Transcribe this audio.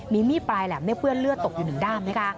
มีมีดปลายแหลมไม่เปื้อนเลือดตกอยู่หนึ่งด้ามนะคะ